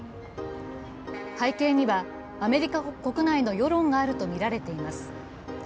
背景にはアメリカ国内の世論があるとみられています。